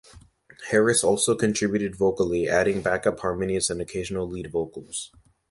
Harris also contributed vocally, adding backup harmonies and occasional lead vocals.